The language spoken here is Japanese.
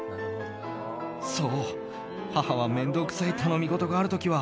そう、母は面倒くさい頼みごとがある時は